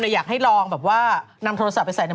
เลยอยากให้ลองนำโทรศัพท์ไปใส่ตัวหมด